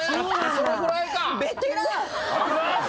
それぐらいか。